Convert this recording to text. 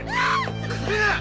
来るな！